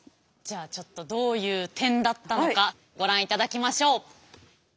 じゃあちょっとどういう点だったのかご覧いただきましょう。